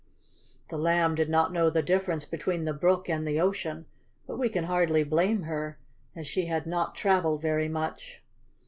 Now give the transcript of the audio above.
The Lamb did not know the difference between the brook and the ocean, but we can hardly blame her, as she had not traveled very much.